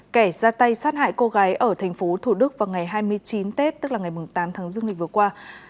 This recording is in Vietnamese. kẻ ra tay sát hại cô gái ở thành phố thủ đức vào ngày hai mươi chín tết tức là ngày tám tháng dương lịch vừa qua